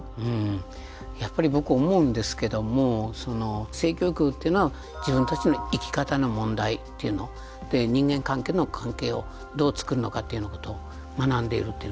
やっぱり僕思うんですけども性教育っていうのは自分たちの生き方の問題というの人間関係をどう作るのかっていうようなことを学んでいるっていう。